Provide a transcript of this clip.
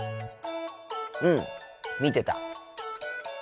うん見てた。